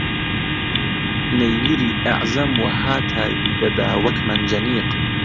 نەییری ئەعزەم وەها تاوی دەدا وەک مەنجەنیق